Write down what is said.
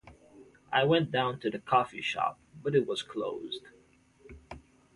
I went down to the coffee shop, but it was closed.